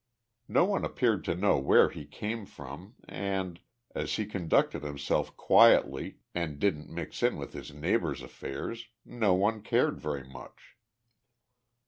No one appeared to know where he came from and, as he conducted himself quietly and didn't mix in with his neighbors' affairs, no one cared very much.